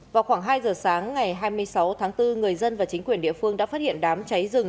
vào khoảng hai giờ sáng ngày hai mươi sáu tháng bốn người dân và chính quyền địa phương đã phát hiện đám cháy rừng